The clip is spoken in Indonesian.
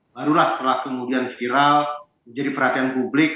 barulah setelah kemudian viral menjadi perhatian publik